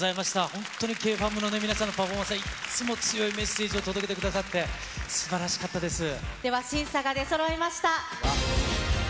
本当にＫｆａｍの皆さんのパフォーマンスはいつも強いメッセージを届けてでは、審査が出そろいました。